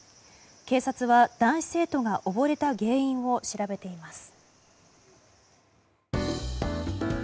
警察は男子生徒が溺れた原因を調べています。